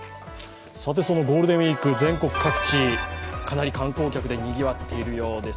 そのゴールデンウイーク、全国各地かなり観光客でにぎわっているようです。